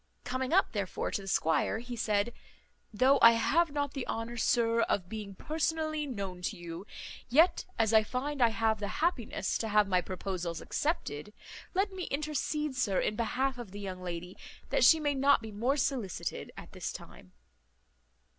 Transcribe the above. Coming up, therefore, to the squire, he said, "Though I have not the honour, sir, of being personally known to you, yet, as I find I have the happiness to have my proposals accepted, let me intercede, sir, in behalf of the young lady, that she may not be more solicited at this time."